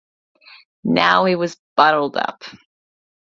Now he was bottled up.